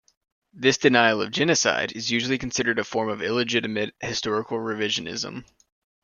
This denial of genocide is usually considered a form of illegitimate historical revisionism.